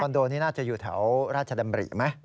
โดนี้น่าจะอยู่แถวราชดำริไหม